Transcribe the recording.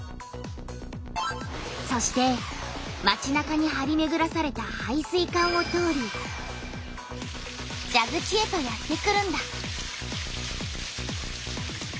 そしてまちなかにはりめぐらされた配水管を通りじゃぐちへとやってくるんだ。